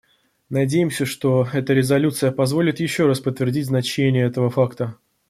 Надеемся, что эта резолюция позволит еще раз подтвердить значение этого факта.